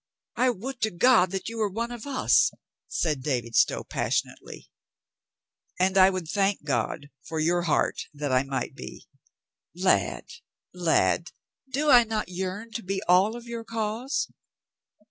"I would to God that you were one of us," said David Stow passionately. "And I would thank God for your heart that I might be. Lad, lad, do I not yearn to be all of your cause?